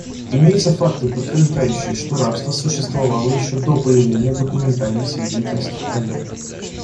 Имеются факты, подтверждающие, что рабство существовало еще до появления документальных свидетельств о нем.